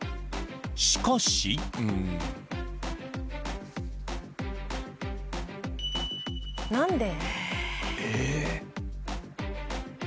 しかし何で？